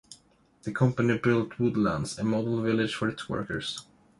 The company built Woodlands, a model village for its workers.